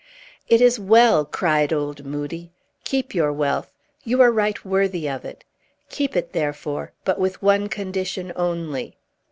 "It is well," cried old Moodie. "Keep your wealth. You are right worthy of it. Keep it, therefore, but with one condition only."